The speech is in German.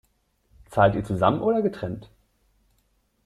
Zahlt ihr zusammen oder getrennt?